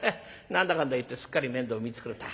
何だかんだ言ってすっかり面倒見つくれた。